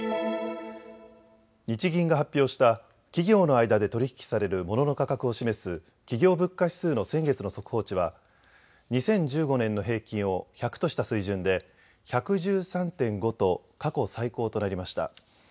日銀が発表した企業の間で取り引きされるモノの価格を示す企業物価指数の先月の速報値は２０１５年の平均を１００とした水準で１１３．５と過去最高となりました。